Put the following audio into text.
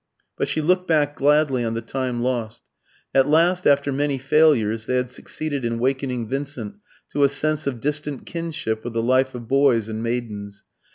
But she looked back gladly on the time lost. At last, after many failures, they had succeeded in wakening Vincent to a sense of distant kinship with the life of boys and maidens.